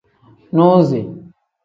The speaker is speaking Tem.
Nuzi.